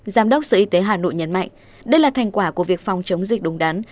giám đốc sở y tế hà nội nhấn mạnh đây là thành quả của việc phòng chống dịch đúng đắn